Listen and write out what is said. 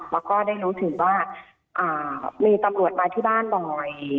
แล้วก็ได้รู้ถึงว่ามีตำรวจมาที่บ้านบ่อย